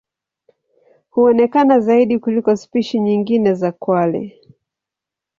Huonekana zaidi kuliko spishi nyingine za kwale.